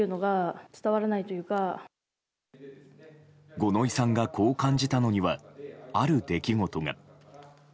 五ノ井さんがこう感じたのには、ある出来事が。